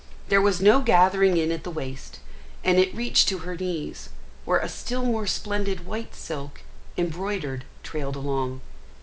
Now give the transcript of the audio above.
There was no gathering in at the waist, and it reached to her knees, where a still more splendid white silk, embroidered, trailed along.